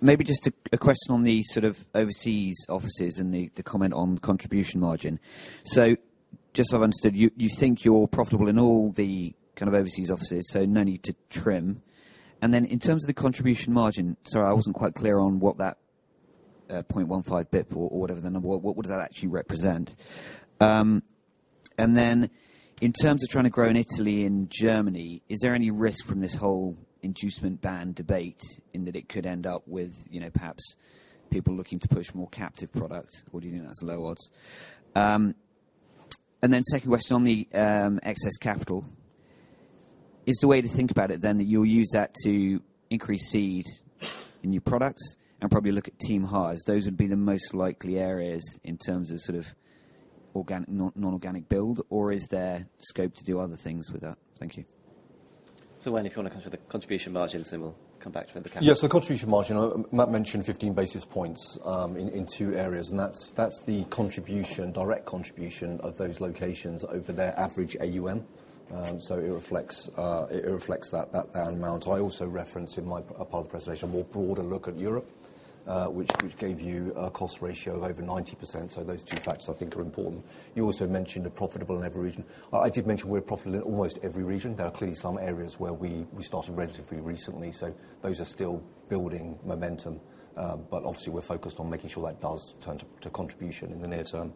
maybe just a question on the sort of overseas offices and the comment on the contribution margin. Just so I've understood, you think you're profitable in all the kind of overseas offices, so no need to trim. In terms of the contribution margin, sorry, I wasn't quite clear on what. 0.15 basis point or whatever the number. What does that actually represent? In terms of trying to grow in Italy and Germany, is there any risk from this whole inducement ban debate in that it could end up with, you know, perhaps people looking to push more captive product? Do you think that's low odds? Second question on the excess capital. Is the way to think about it then that you'll use that to increase seed in new products and probably look at team hires? Those would be the most likely areas in terms of sort of non-organic build? Is there scope to do other things with that? Thank you. Wayne, if you wanna cover the contribution margins, then we'll come back to you for the capital. Yes. The contribution margin, Matt mentioned 15 basis points in two areas, and that's the contribution, direct contribution of those locations over their average AUM. It reflects that amount. I also reference a part of the presentation a more broader look at Europe, which gave you a cost ratio of over 90%. Those two facts I think are important. You also mentioned a profitable in every region. I did mention we're profitable in almost every region. There are clearly some areas where we started relatively recently, so those are still building momentum. Obviously we're focused on making sure that does turn to contribution in the near term.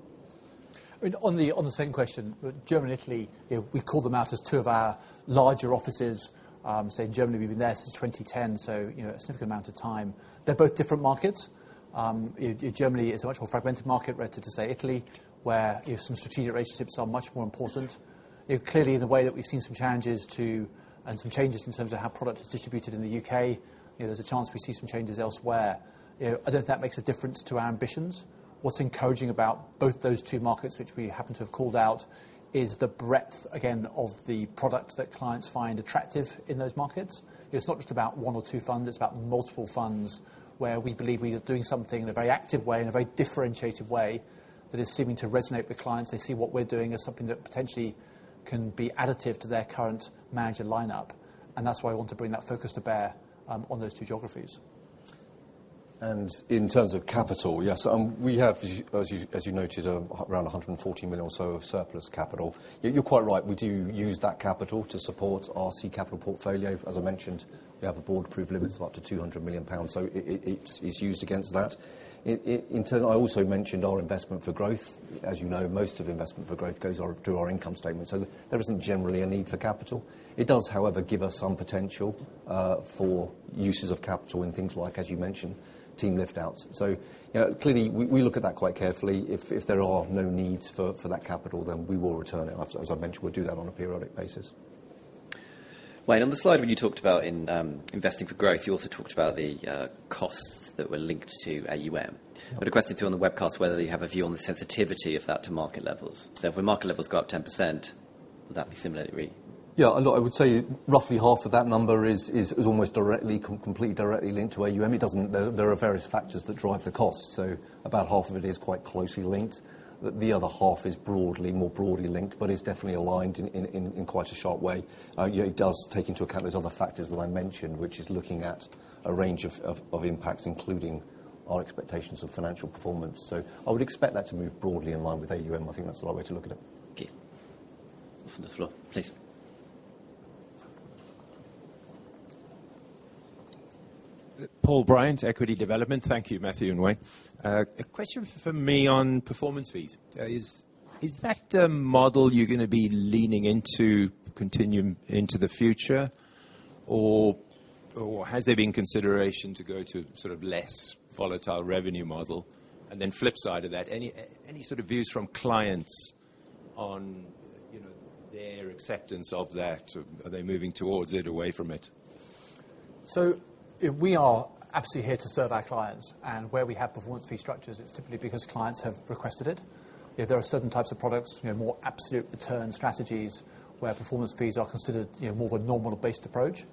I mean, on the same question, but Germany and Italy, you know, we call them out as two of our larger offices. Say Germany, we've been there since 2010, so you know, a significant amount of time. They're both different markets. In Germany it's a much more fragmented market relative to, say, Italy, where, you know, some strategic relationships are much more important. You know, clearly in the way that we've seen some challenges to, and some changes in terms of how product is distributed in the U.K., you know, there's a chance we see some changes elsewhere. You know, I don't think that makes a difference to our ambitions. What's encouraging about both those two markets, which we happen to have called out, is the breadth again of the products that clients find attractive in those markets. It's not just about one or two funds, it's about multiple funds where we believe we are doing something in a very active way, in a very differentiated way that is seeming to resonate with clients. They see what we're doing as something that potentially can be additive to their current manager lineup. That's why we want to bring that focus to bear, on those two geographies. In terms of capital, yes, we have as you noted, around 140 million or so of surplus capital. You're quite right, we do use that capital to support our C capital portfolio. As I mentioned, we have a board-approved limits of up to 200 million pounds, so it's used against that. In turn, I also mentioned our investment for growth. As you know, most of investment for growth goes or to our income statement, so there isn't generally a need for capital. It does, however, give us some potential for uses of capital in things like, as you mentioned, team lift outs. You know, clearly we look at that quite carefully. If there are no needs for that capital, then we will return it. As I mentioned, we'll do that on a periodic basis. Wayne, on the slide when you talked about investing for growth, you also talked about the costs that were linked to AUM. Yeah. I had a question for you on the webcast, whether you have a view on the sensitivity of that to market levels. If the market levels go up 10%, would that be similarly? Look, I would say roughly half of that number is almost directly completely directly linked to AUM. There are various factors that drive the cost, so about half of it is quite closely linked. The other half is broadly, more broadly linked, but is definitely aligned in quite a sharp way. you know, it does take into account those other factors that I mentioned, which is looking at a range of impacts, including our expectations of financial performance. I would expect that to move broadly in line with AUM. I think that's the right way to look at it. Okay. From the floor, please. Thank you, Matthew and Wayne. A question from me on performance fees. Is that model you're gonna be leaning into continuing into the future? Or has there been consideration to go to sort of less volatile revenue model? Flip side of that, any sort of views from clients on, you know, their acceptance of that? Are they moving towards it, away from it? We are absolutely here to serve our clients, and where we have performance fee structures, it's typically because clients have requested it. You know, there are certain types of products, you know, more absolute return strategies where performance fees are considered, you know, more of a normal based approach.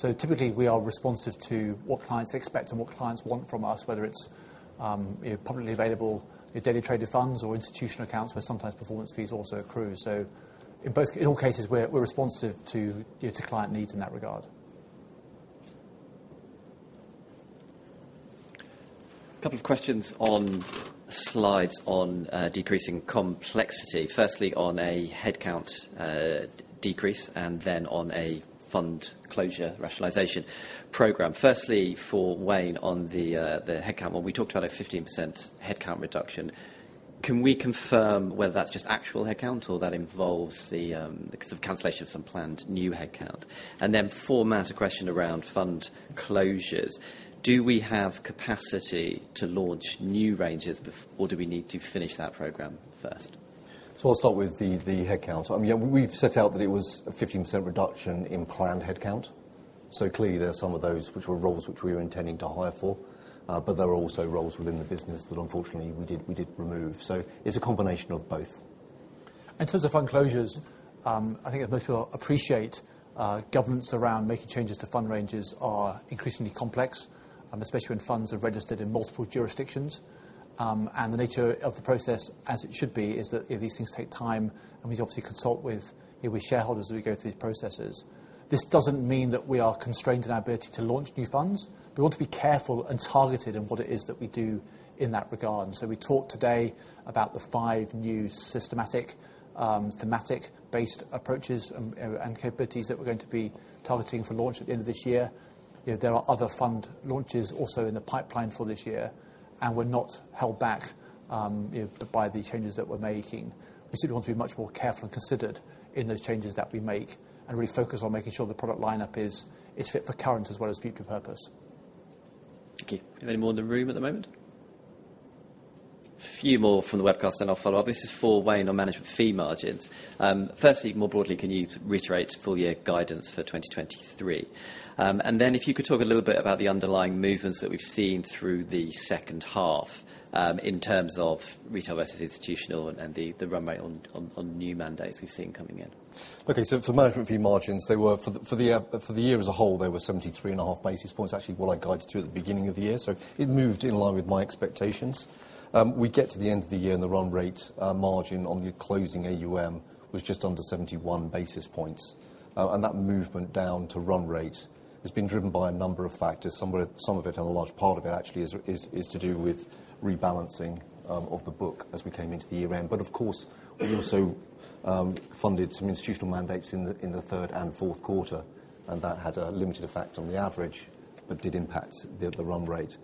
Typically, we are responsive to what clients expect and what clients want from us, whether it's, you know, publicly available, you know, daily traded funds or institutional accounts where sometimes performance fees also accrue. In all cases, we're responsive to, you know, to client needs in that regard. A couple of questions on slides on decreasing complexity. Firstly, on a headcount decrease and then on a fund closure rationalization program. Firstly, for Wayne on the headcount one. We talked about a 15% headcount reduction. Can we confirm whether that's just actual headcount or that involves the because of cancellation of some planned new headcount? For Matt, a question around fund closures. Do we have capacity to launch new ranges or do we need to finish that program first? I'll start with the headcount. Yeah, we've set out that it was a 15% reduction in planned headcount. Clearly there are some of those which were roles which we were intending to hire for, but there are also roles within the business that unfortunately we did remove. It's a combination of both. In terms of fund closures, I think as most people appreciate, governments around making changes to fund ranges are increasingly complex, especially when funds are registered in multiple jurisdictions. The nature of the process, as it should be, is that these things take time and we obviously consult with shareholders as we go through these processes. This doesn't mean that we are constrained in our ability to launch new funds. We want to be careful and targeted in what it is that we do in that regard. We talked today about the five new systematic, thematic-based approaches and capabilities that we're going to be targeting for launch at the end of this year. There are other fund launches also in the pipeline for this year, and we're not held back by the changes that we're making. We still want to be much more careful and considered in those changes that we make, and really focus on making sure the product line-up is fit for current as well as future purpose. Thank you. Any more in the room at the moment? Few more from the webcast. I'll follow up. This is for Wayne on management fee margins. Firstly, more broadly, can you reiterate full year guidance for 2023? If you could talk a little bit about the underlying movements that we've seen through the second half, in terms of retail versus institutional and the run rate on new mandates we've seen coming in. For management fee margins, for the year as a whole, they were 73.5 basis points, actually what I guided to at the beginning of the year. It moved in line with my expectations. We get to the end of the year and the run rate margin on the closing AUM was just under 71 basis points. That movement down to run rate has been driven by a number of factors. Some of it, and a large part of it actually is to do with rebalancing of the book as we came into the year end. Of course, we also funded some institutional mandates in the third and fourth quarter, and that had a limited effect on the average, but did impact the run rate.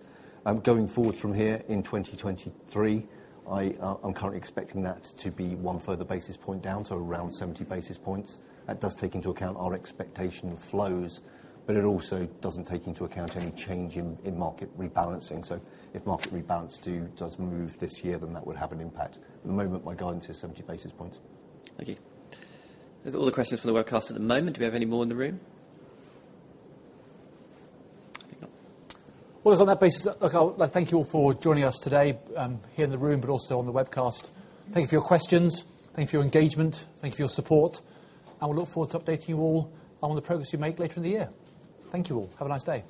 Going forward from here in 2023, I'm currently expecting that to be one further basis point down, so around 70 basis points. That does take into account our expectation of flows, but it also doesn't take into account any change in market rebalancing. If market rebalance does move this year, then that would have an impact. At the moment, my guidance is 70 basis points. Thank you. Those are all the questions for the webcast at the moment. Do we have any more in the room? If not... Well, look, on that basis, look, I thank you all for joining us today here in the room but also on the webcast. Thank you for your questions, thank you for your engagement, thank you for your support. We look forward to updating you all on the progress we make later in the year. Thank you all. Have a nice day.